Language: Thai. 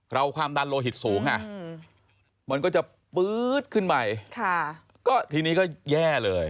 ความดันโลหิตสูงมันก็จะปื๊ดขึ้นไปก็ทีนี้ก็แย่เลย